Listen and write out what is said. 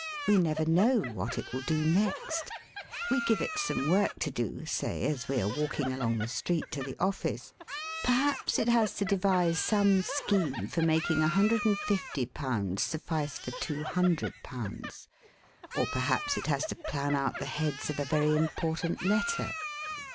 We never know what it will do next. We give it some work to do, say, as we are walking along the street to the office. Perhaps it has to devise some scheme for making £150 suffice for £200, or perhaps it has to plan out the heads of a very important letter.